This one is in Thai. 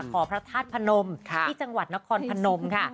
พระธาตุพนมที่จังหวัดนครพนมค่ะ